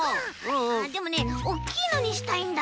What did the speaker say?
ああでもねおっきいのにしたいんだ。